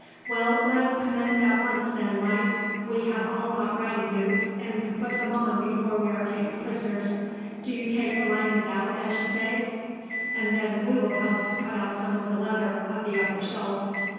"Well, let us commence at once, then, Mike. We have all got riding boots, and can put them on before we are taken prisoners. Do you take the linings out, as you say, and then we will help to cut out some of the leather of the upper sole."